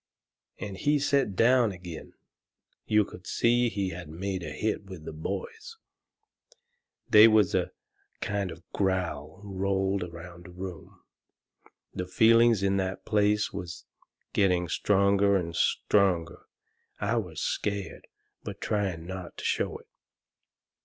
And he set down agin. You could see he had made a hit with the boys. They was a kind of a growl rolled around the room. The feelings in that place was getting stronger and stronger. I was scared, but trying not to show it.